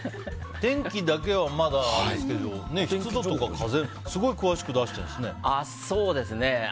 天気だけは、まだあれですけど湿度とか風すごい詳しく出してるんですね。